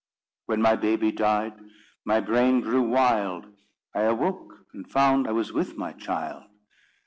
When my baby died, my brain grew wild. I awoke, and found I was with my child."